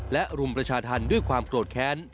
และรุมประชาธรรมด้วยความโกรธแค้น